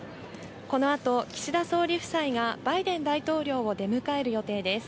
このあと、岸田総理夫妻がバイデン大統領を出迎える予定です。